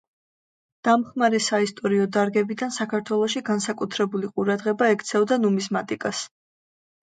დამხმარე საისტორიო დარგებიდან საქართველოში განსაკუთრებული ყურადღება ექცეოდა ნუმიზმატიკას.